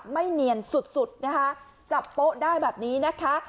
ไม่เหนียนสุดจับโปะได้แบบนี้นะคะ